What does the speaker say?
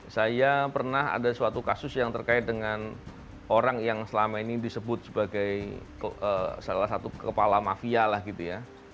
saya pernah ada suatu kasus yang terkait dengan orang yang selama ini disebut sebagai salah satu kepala mafia lah gitu ya